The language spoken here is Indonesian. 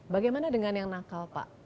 bagaimana dengan yang nakal pak